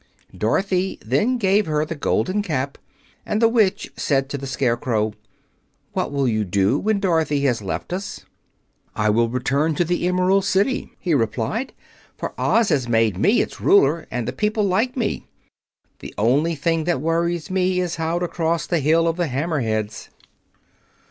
Dorothy then gave her the Golden Cap, and the Witch said to the Scarecrow, "What will you do when Dorothy has left us?" "I will return to the Emerald City," he replied, "for Oz has made me its ruler and the people like me. The only thing that worries me is how to cross the hill of the Hammer Heads."